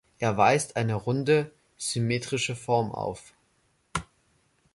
Er weist eine runde, symmetrische Form auf.